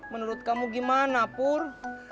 menurut kamu gimana pur